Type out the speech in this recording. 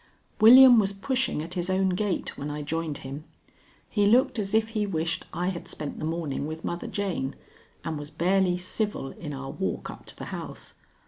William was pushing at his own gate when I joined him. He looked as if he wished I had spent the morning with Mother Jane, and was barely civil in our walk up to the house.